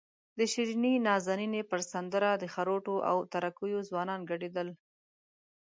د شیرینې نازنینې پر سندره د خروټو او تره کیو ځوانان ګډېدل.